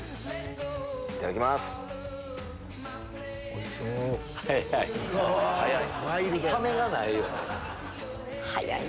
おいしい！